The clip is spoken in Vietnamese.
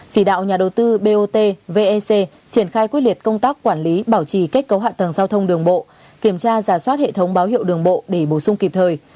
chỉ đạo nhà đầu tư bot vec triển khai quyết liệt công tác quản lý bảo trì kết cấu hạ tầng giao thông đường bộ kiểm tra giả soát hệ thống báo hiệu đường bộ để bổ sung kịp thời